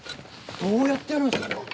どうやってやるんですか。